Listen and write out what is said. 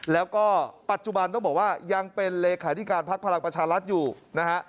แล้วก็ปัจจุบันต้องบอกว่ายังเป็นเลขาธิการพักพลังประชารัฐอยู่นะฮะ